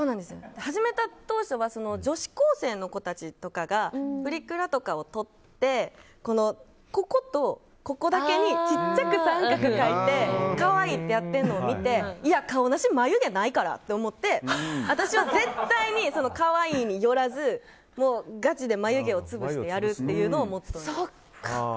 始めた当初は女子高生の子たちとかがプリクラとかを撮ってこことここだけに小さく三角を描いて可愛いってやってるのを見ていや、カオナシ眉毛ないからって思って私は絶対に、可愛いに寄らずガチで眉毛を潰してやるっていうのを思ってたので。